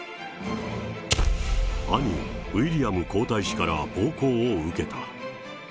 兄、ウィリアム皇太子から暴行を受けた。